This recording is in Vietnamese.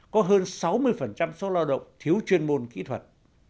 có hơn sáu mươi số lao động thiếu chuyên môn kỹ thuật